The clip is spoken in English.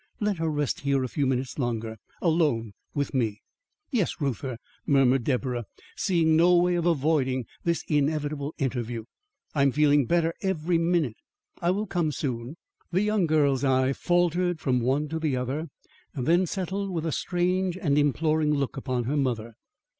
"Let her rest here a few minutes longer, alone with me." "Yes, Reuther," murmured Deborah, seeing no way of avoiding this inevitable interview. "I am feeling better every minute. I will come soon." The young girl's eye faltered from one to the other, then settled, with a strange and imploring look upon her mother.